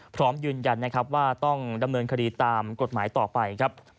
พร้อมยืนยันนะครับว่าต้องดำเนินคดีตามกฎหมายต่อไปครับ